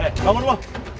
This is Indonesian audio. eh kamu dua